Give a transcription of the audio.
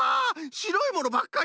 しろいものばっかり！